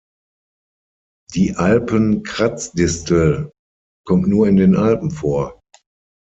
Die Alpen-Kratzdistel kommt nur in den Alpen vor.